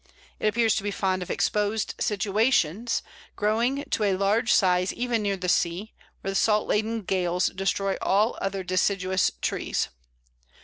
It appears to be fond of exposed situations, growing to a large size even near the sea, where the salt laden gales destroy all other deciduous trees.